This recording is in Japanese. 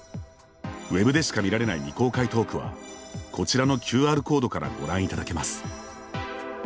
ウェブでしか見られない未公開トークは、こちらのＱＲコードからご覧いただけます。